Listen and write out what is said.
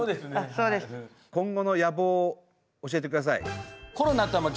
今後の野望を教えてください。